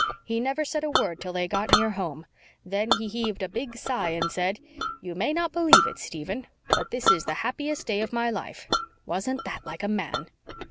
He never said a word till they got near home. Then he heaved a big sigh and said, 'You may not believe it, Stephen, but this is the happiest day of my life!' Wasn't that like a man?"